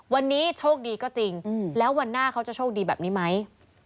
วันนี้โชคดีก็จริงแล้ววันหน้าเขาจะโชคดีแบบนี้ไหม